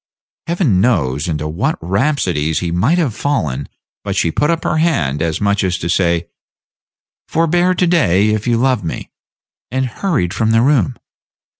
Heaven knows into what rhapsodies he might have fallen, but she put up her hand, as much as to say, "Forbear to day, if you love me," and hurried from the room.